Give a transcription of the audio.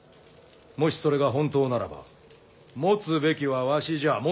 もしそれが本当ならば持つべきはわしじゃ。